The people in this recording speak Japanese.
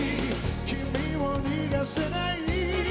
「君を逃がせない」